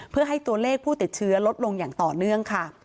เพื่อให้ตัวเลขผู้ติดเชื้อลดลงอย่างต่อเนื่องค่ะ